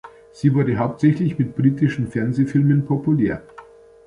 Sie wurde hauptsächlich mit britischen Fernsehfilmen populär.